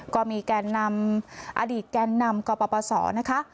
ก็มีแก่นนำอดีตแก่นนำกับประสอบนะคะ